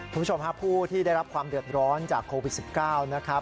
คุณผู้ชมครับผู้ที่ได้รับความเดือดร้อนจากโควิด๑๙